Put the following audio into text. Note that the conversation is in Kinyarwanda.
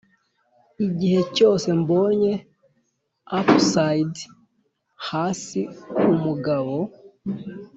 igihe cyose mbonye upside-hasi umugabo